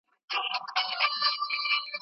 هغه ډير عقلمند دي